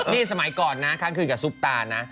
นี่สมัยก่อนนะครั้งคืนกับซุปตานะ